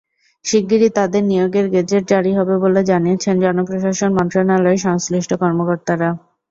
শিগগিরই তাঁদের নিয়োগের গেজেট জারি হবে বলে জানিয়েছেন জনপ্রশাসন মন্ত্রণালয়ের সংশ্লিষ্ট কর্মকর্তারা।